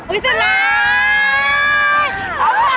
อุ๊ยสุดยอด